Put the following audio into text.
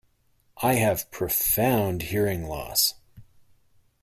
I have profound hearing loss.